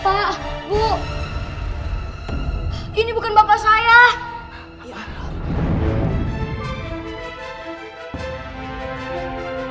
bapak dan ibu kita akan menemukan suatu kejadian yang sangat menarik